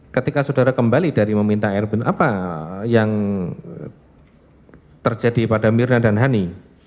ketika saudara kembali dari meminta airbun apa yang terjadi pada mirna dan hani